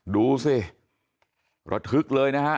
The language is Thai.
ดูสิระทึกเลยนะฮะ